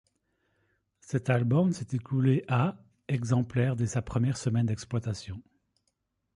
Cet album s'est écoulé à exemplaires dès sa première semaine d'exploitation.